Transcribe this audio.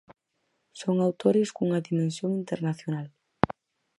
Son autores cunha dimensión internacional.